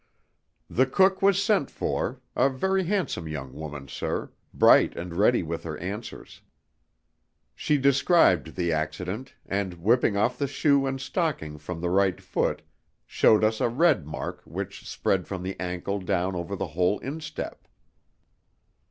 The cook was sent for, a very handsome young woman, sir, bright and ready with her answers. She described the accident, and whipping off the shoe and stocking from the right foot, showed us a red mark which spread from the ankle down over the whole instep."